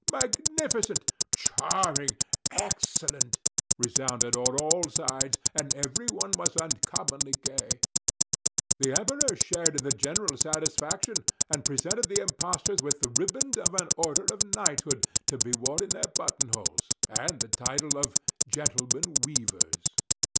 "Magnificent! Charming! Excellent!" resounded on all sides; and everyone was uncommonly gay. The Emperor shared in the general satisfaction; and presented the impostors with the riband of an order of knighthood, to be worn in their button holes, and the title of "Gentlemen Weavers."